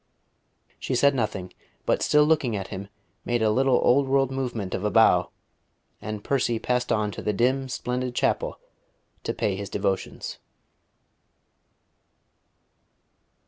She said nothing, but still looking at him made a little old world movement of a bow; and Percy passed on to the dim, splendid chapel to pay his devotions.